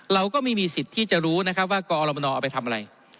เราก็ไม่มีสิทธิ์ที่จะรู้นะครับว่ากอรมนเอาไปทำอะไร